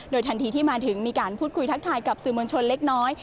ทันทีที่มาถึงมีการพูดคุยทักทายกับสื่อมวลชนเล็กน้อย